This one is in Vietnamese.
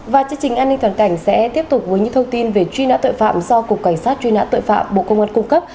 và chương trình an ninh toàn cảnh sẽ tiếp tục với những thông tin về truy nã tội phạm do cục cảnh sát truy nã tội phạm bộ công an cung cấp